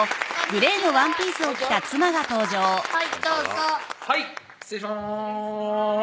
はいどうぞはい失礼します